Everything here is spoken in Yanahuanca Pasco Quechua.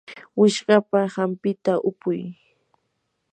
wishqapa hampita upuy.